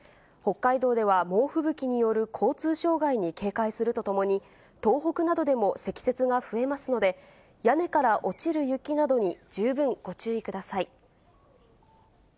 北海道では猛吹雪による交通障害に警戒するとともに、東北などでも積雪が増えますので、屋根から落ちる雪などに十分ご注意ください。